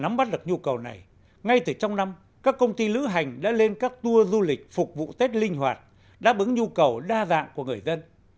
để nắm bắt được nhu cầu này ngay từ trong năm các công ty lữ hành đã lên các tour du lịch phục vụ tết linh hoạt đáp ứng nhu cầu đa dạng của người dân